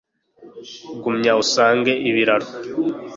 Gumya usange ibiraro